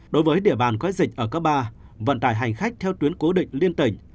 đối với địa bàn có dịch ở cấp ba vận tải hành khách theo tuyến cố định liên tỉnh